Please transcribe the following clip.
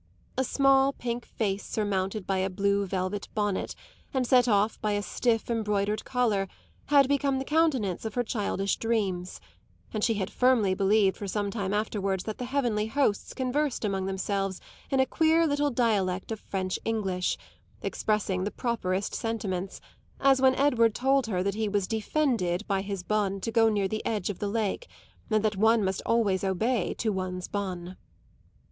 A small pink face surmounted by a blue velvet bonnet and set off by a stiff embroidered collar had become the countenance of her childish dreams; and she had firmly believed for some time afterwards that the heavenly hosts conversed among themselves in a queer little dialect of French English, expressing the properest sentiments, as when Edward told her that he was "defended" by his bonne to go near the edge of the lake, and that one must always obey to one's bonne.